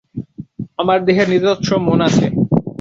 আমার দেহের নিজস্ব মন আছে।